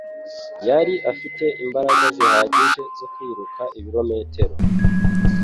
Yari afite imbaraga zihagije zo kwiruka ibirometero